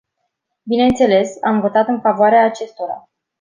Bineînțeles, am votat în favoarea acestora.